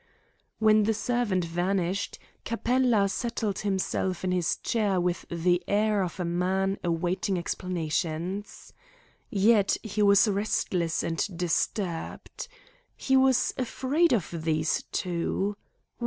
When the servant vanished, Capella settled himself in his chair with the air of a man awaiting explanations. Yet he was restless and disturbed. He was afraid of these two.